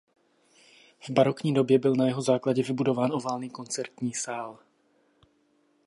V barokní době byl na jeho základě vybudován oválný koncertní sál.